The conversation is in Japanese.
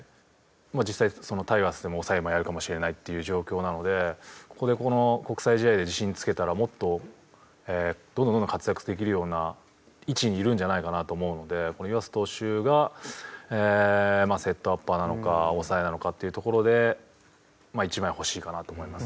実際タイガースでも抑えもやるかもしれないっていう状況なのでここでこの国際試合で自信つけたらもっとどんどんどんどん活躍できるような位置にいるんじゃないかなと思うので湯浅投手がセットアッパーなのか抑えなのかっていうところで一枚欲しいかなと思いますね。